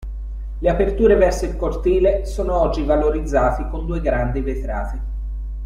Le aperture verso il cortile sono oggi valorizzati con due grandi vetrate.